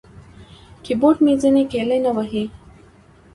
کیبورډ مې ځینې کیلي نه وهي.